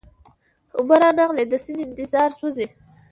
اوبه را نغلې د سیند انتظار سوزی